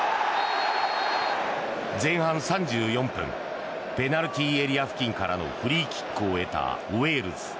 前半３４分ペナルティー付近からフリーキックを得たウェールズ。